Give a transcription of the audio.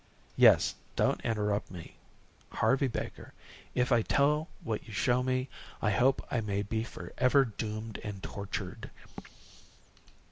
"Yes don't interrupt me. 'Harvey Baker, if I tell what you show me, I hope I may be forever doomed and tortured.'"